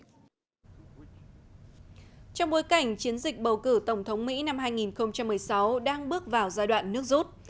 trong bối cảnh chiến dịch bầu cử tổng thống mỹ năm hai nghìn một mươi sáu đang bước vào giai đoạn nước rút